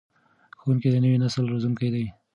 ښوونکي د نوي نسل روزونکي دي.